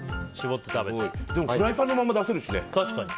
フライパンのまま出せるしね。